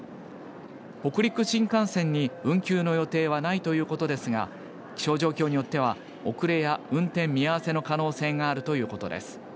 北陸新幹線に運休の予定はないということですが気象状況によっては遅れや運転見合わせの可能性があるということです。